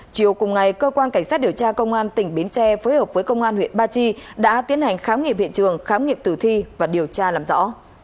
chiều cùng ngày cơ quan cảnh sát điều tra công an tỉnh bến tre phối hợp với công an huyện ba chi đã tiến hành khám nghiệm hiện trường khám nghiệm tử thi và điều tra làm rõ